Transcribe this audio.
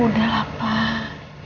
udah lah pak